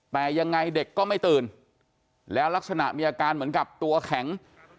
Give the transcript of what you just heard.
แต่ยังไงเด็กก็ไม่ตื่นแล้วลักษณะมีอาการเหมือนกับตัวแข็ง